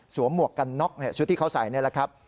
หมวกกันน็อกชุดที่เขาใส่นี่แหละครับ